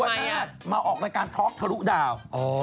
อันผัวนาศมาออกรายการทอลุดาว